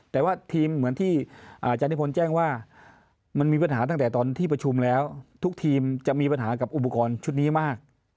แต่ว่าทีมเหมือนที่อาจารย์นิพนธ์แจ้งว่ามันมีปัญหาตั้งแต่ตอนที่ประชุมแล้วทุกทีมจะมีปัญหากับอุปกรณ์ชุดนี้มาก